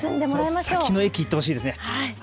先の駅に行ってほしいですね。